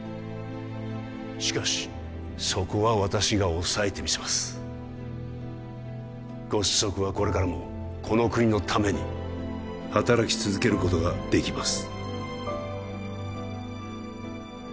しかしそこは私がおさえてみせますご子息はこれからもこの国のために働き続けることができます